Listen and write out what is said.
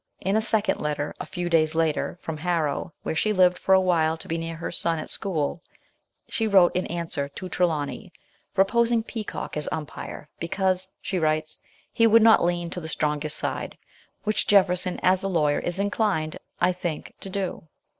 In a second letter a few days later from Harrow, where she lived for a while to be near her son at school, she wrote in answer to Trelawny, proposing Peacock as umpire, because, she writes, " he would not lean to the strongest side, which Jefferson, as a lawyer, is inclined, I think, to do."